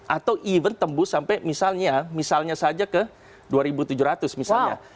atau even tembus sampai misalnya saja ke dua ribu tujuh ratus misalnya